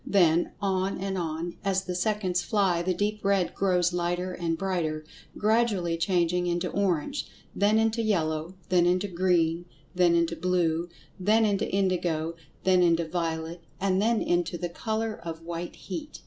Then, on and on, as the seconds fly, the deep red grows lighter and brighter, gradually changing into orange, then into yellow, then into green, then into blue, then into indigo, then into violet, and then into the color of "white heat."